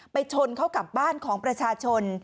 ชนเข้ากับบ้านของประชาชน